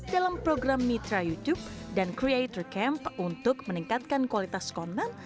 dalam program mitra youtube dan creator camp untuk meningkatkan kualitas konten